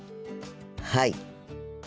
はい。